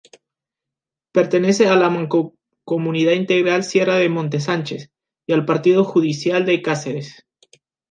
Pertenece a la Mancomunidad Integral Sierra de Montánchez y al partido judicial de Cáceres.